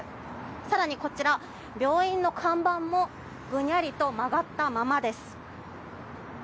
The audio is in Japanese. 更に、こちら病院の看板もぐにゃりと曲がったままです。